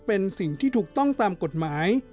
เป็นสิ่งที่ถูกต้องตามกฎหมาย